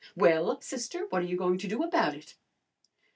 Well, sister, what are you going to do about it?"